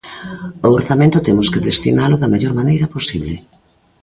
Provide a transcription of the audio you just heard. O orzamento temos que destinalo da mellor maneira posible.